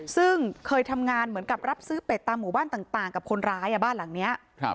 ซึ่งเคยทำงานเหมือนกับรับซื้อเป็ดตามหมู่บ้านต่างกับคนร้ายบ้านหลังนี้